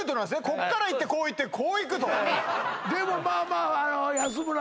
こっから行ってこう行ってこう行くとでもまあまあ安村